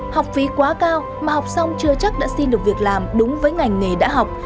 học phí quá cao mà học xong chưa chắc đã xin được việc làm đúng với ngành nghề đã học